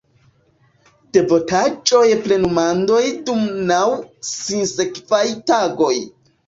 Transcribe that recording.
Devotaĵoj plenumendaj dum naŭ sinsekvaj tagoj.